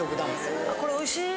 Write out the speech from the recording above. これおいしい？